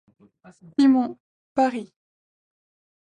Simon, Paris.